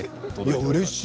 うれしい。